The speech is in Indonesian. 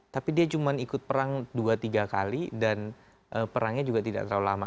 tapi dia cuma ikut perang dua tiga kali dan perangnya juga tidak terlalu lama